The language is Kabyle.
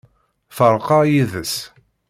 Ferqeɣ yid-s.